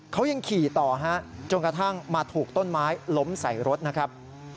เขายังขี่ต่อฮะจนกระทั่งมาถูกต้นไม้ล้มใส่รถนะครับ